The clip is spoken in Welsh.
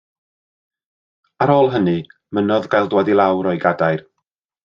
Ar ôl hynny mynnodd gael dŵad i lawr o'i gadair.